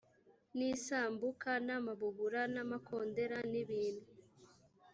n isambuka n amabubura n amakondera n ibintu